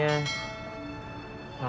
aku gak ngerti